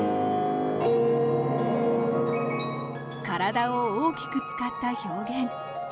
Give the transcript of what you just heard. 体を大きく使った表現。